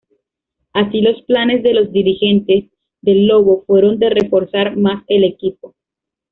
Así los planes de los dirigentes del "Lobo" fueron de reforzar más el equipo.